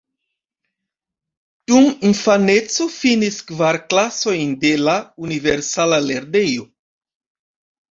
Dum infaneco finis kvar klasojn de la universala lernejo.